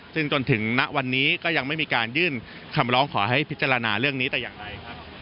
ซึ่งจนถึงณวันนี้ก็ยังไม่มีการยื่นคำร้องขอให้พิจารณาเรื่องนี้แต่อย่างใดครับ